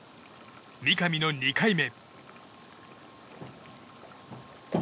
三上の２回目。